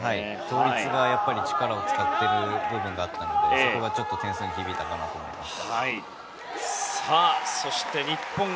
倒立で力を使っている部分があったのでちょっと点数に響いたかなと思います。